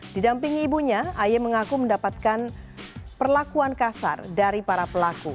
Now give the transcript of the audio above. didampingi ibunya aye mengaku mendapatkan perlakuan kasar dari para pelaku